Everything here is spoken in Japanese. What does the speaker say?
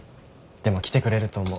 でも来てくれると思う。